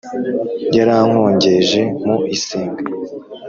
yarakongeje mu isenga,